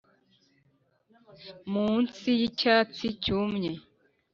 munsi yicyatsi cyumye